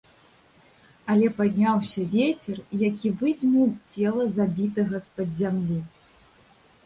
Але падняўся вецер, які выдзьмуў цела забітага з-пад зямлі.